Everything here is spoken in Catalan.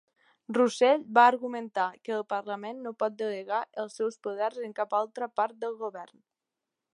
Russell va argumentar que el Parlament no pot delegar els seus poders en cap altra part del govern.